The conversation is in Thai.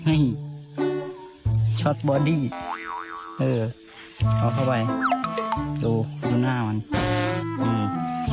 ช็อตบอดี้เออเอาเข้าไปดูดูหน้ามันอืม